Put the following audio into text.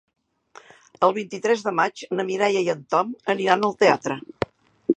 El vint-i-tres de maig na Mireia i en Tom aniran al teatre.